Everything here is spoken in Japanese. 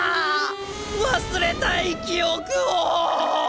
忘れたい記憶を！